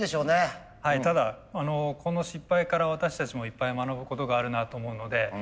はいただこの失敗から私たちもいっぱい学ぶことがあるなと思うので。